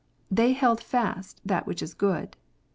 They "held fast that which is good."